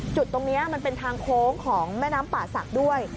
จุดตรงนี้มันเป็นทางโค้งของแม่น้ำป่าศักดิ์ด้วย